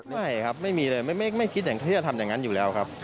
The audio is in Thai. ไม่ครับไม่มีเลยไม่คิดอย่างที่จะทำอย่างนั้นอยู่แล้วครับ